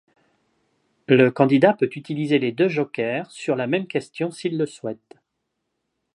Le candidat peut utiliser les deux jokers sur la même question s'il le souhaite.